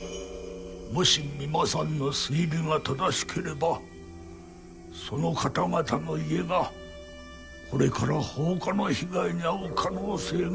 もし三馬さんの推理が正しければその方々の家がこれから放火の被害に遭う可能性があると。